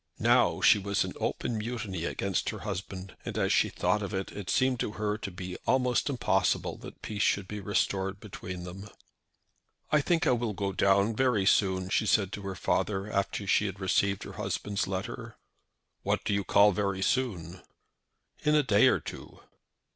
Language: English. Now she was in open mutiny against her husband, and, as she thought of it, it seemed to her to be almost impossible that peace should be restored between them. "I think I will go down very soon," she said to her father, after she had received her husband's letter. "What do you call very soon?" "In a day or two."